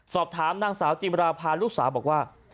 สอบถามนางสาวจิมราภาลูกสาวบอกว่า